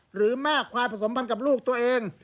หรือแม่ควายผสมพันธ์กับลูกตัวเอง